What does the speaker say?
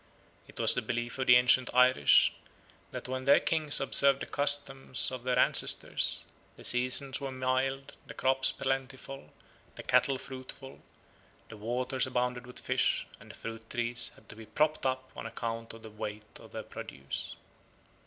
It was the belief of the ancient Irish that when their kings observed the customs of their ancestors, the seasons were mild, the crops plentiful, the cattle fruitful, the waters abounded with fish, and the fruit trees had to be propped up on account of the weight of their produce.